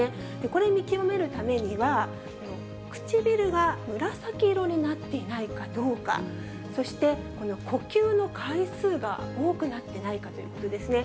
これ見極めるためには、唇が紫色になっていないかどうか、そして呼吸の回数が多くなってないかということですね。